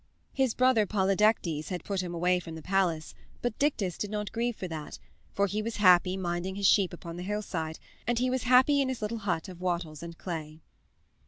His brother Polydectes had put him away from the palace, but Dictys did not grieve for that, for he was happy minding his sheep upon the hillside, and he was happy in his little but of wattles and clay.